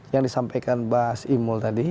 yang disampaikan mas imul tadi